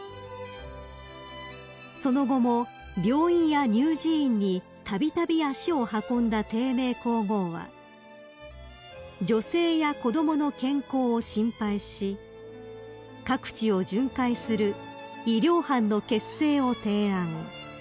［その後も病院や乳児院にたびたび足を運んだ貞明皇后は女性や子供の健康を心配し各地を巡回する医療班の結成を提案］